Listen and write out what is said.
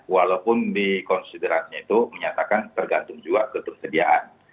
walaupun dikonsiderasinya itu menyatakan tergantung juga ke persediaan